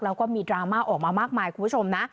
แล้วก็มีดราม่าออกมามากมายคุณผู้ชมนะ